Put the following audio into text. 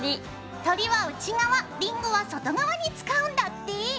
鳥は内側りんごは外側に使うんだって。